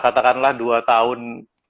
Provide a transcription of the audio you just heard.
katakanlah dua tahun